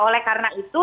oleh karena itu